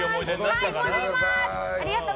戻ります。